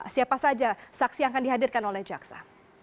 siapa saja saksi yang akan dihadirkan oleh jaksa